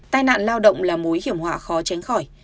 tai nạn lao động là mối hiểm họa khó tránh khỏi